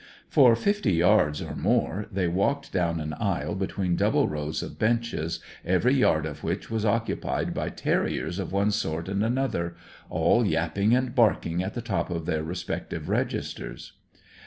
For fifty yards or more they walked down an aisle between double rows of benches, every yard of which was occupied by terriers of one sort and another, all yapping and barking at the top of their respective registers.